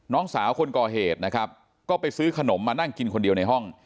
น้องสาวคนก่อเหตุนะครับก็ไปซื้อขนมมานั่งกินคนเดียวในห้อง